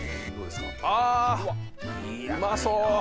あうまそう！